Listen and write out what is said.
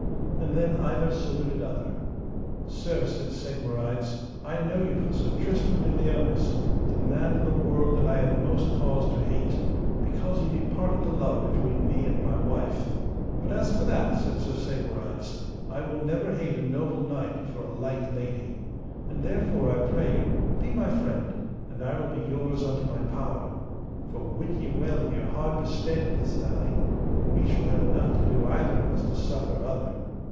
And then either saluted other. Sir, said Segwarides, I know you for Sir Tristram de Liones, the man in the world that I have most cause to hate, because ye departed the love between me and my wife; but as for that, said Sir Segwarides, I will never hate a noble knight for a light lady; and therefore, I pray you, be my friend, and I will be yours unto my power; for wit ye well ye are hard bestead in this valley, and we shall have enough to do either of us to succour other.